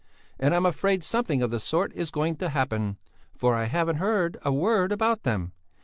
And I'm afraid something of the sort is going to happen, for I haven't heard a word about them.